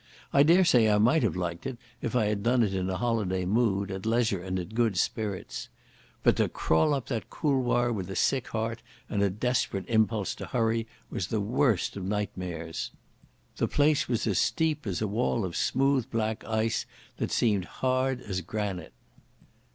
I daresay I might have liked it if I had done it in a holiday mood, at leisure and in good spirits. But to crawl up that couloir with a sick heart and a desperate impulse to hurry was the worst sort of nightmare. The place was as steep as a wall of smooth black ice that seemed hard as granite.